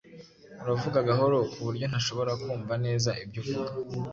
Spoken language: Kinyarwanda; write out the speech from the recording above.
Uravuga gahoro kuburyo ntashobora kumva neza ibyo uvuga.